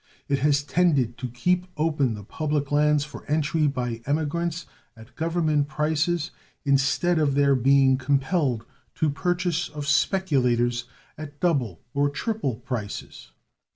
It has tended to keep open the public lands for entry by emigrants at Government prices instead of their being compelled to purchase of speculators at double or triple prices.